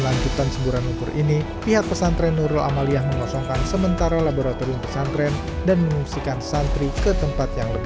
lanjutan semburan lumpur ini pihak pesantren nurul amalia mengosongkan sementara laboratorium pesantren dan menunjukkan kembali ke tempat yang berbeda